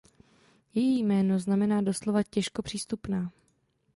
Její jméno znamená doslova "těžko přístupná".